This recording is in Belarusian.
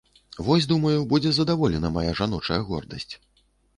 Вось, думаю, будзе задаволена мая жаночая гордасць.